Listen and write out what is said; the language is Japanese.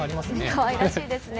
かわいらしいですね。